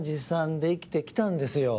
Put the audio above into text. でいきてきたんですよ。